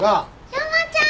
山ちゃん！